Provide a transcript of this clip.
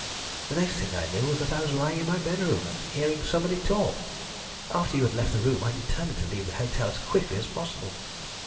The next thing I knew was that I was lying in my bedroom, and hearing somebody talk. After you had left the room I determined to leave the hotel as quickly as possible.